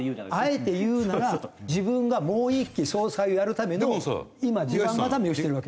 あえて言うなら自分がもう１期総裁をやるための今地盤固めをしてるわけ。